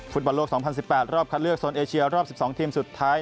ฟุตบอลโลก๒๐๑๘รอบคัดเลือกโซนเอเชียรอบ๑๒ทีมสุดท้าย